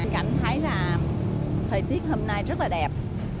cảm thấy là thời tiết hôm nay rất là đẹp